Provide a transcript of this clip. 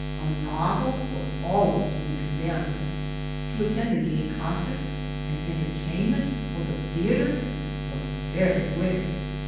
A novel was always to be condemned. To attend a gay concert, an enter tainment or the theater was very wicked.